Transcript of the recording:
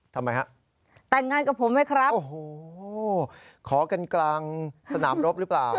ทำไมฮะแต่งงานกับผมไหมครับโอ้โหขอกันกลางสนามรบหรือเปล่า